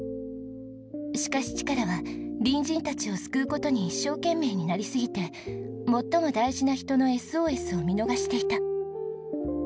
しかしチカラは隣人たちを救う事に一生懸命になりすぎて最も大事な人のＳＯＳを見逃していた。